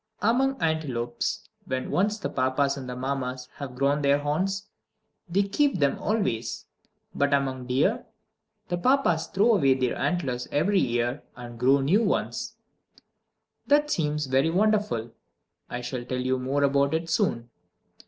3. Among antelopes, when once the Papas and the Mammas have grown their horns, they keep them always. But among deer, the Papas throw away their antlers every year, and grow new ones. That seems very wonderful! I shall tell you more about it soon.